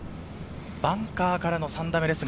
バンカーからの３打目です。